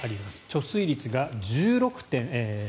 貯水率が１８．６％。